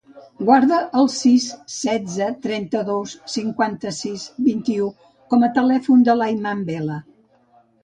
Guarda el sis, setze, trenta-dos, cinquanta-sis, vint-i-u com a telèfon de l'Ayman Vela.